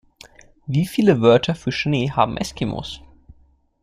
Wie viele Wörter für Schnee haben Eskimos?